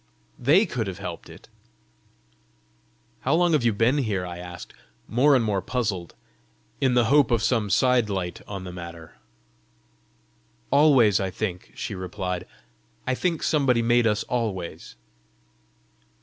THEY could have helped it." "How long have you been here?" I asked, more and more puzzled in the hope of some side light on the matter. "Always, I think," she replied. "I think somebody made us always."